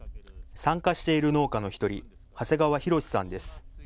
参加している農家の１人、長谷川浩さんです。